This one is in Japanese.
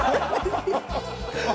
ハハハハ。